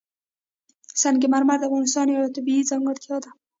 سنگ مرمر د افغانستان یوه طبیعي ځانګړتیا ده.